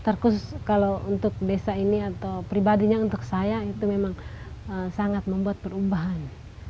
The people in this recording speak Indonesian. terkhusus kalau untuk desa ini atau pribadinya untuk saya itu memang sangat membuat perubahan